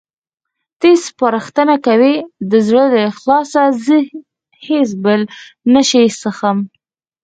ته یې سپارښتنه کوې؟ د زړه له اخلاصه، زه هېڅ بل شی نه څښم.